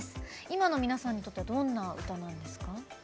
今の皆さんにとってどんな歌なんですか？